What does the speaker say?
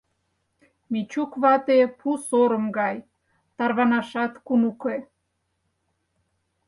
Мичук вате пу сорым гай, тарванашат кун уке.